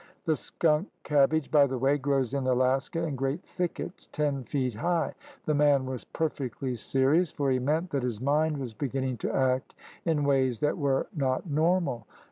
The skunk cabbage, by the way, grows in Alaska in great thickets ten feet high. The man was per fectly serious, for he meant that his mind was beginning to act in ways that were not normal.